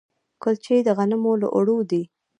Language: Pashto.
کلچې د غنمو له اوړو دي.